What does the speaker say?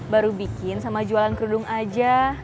baru bikin sama jualan kerudung aja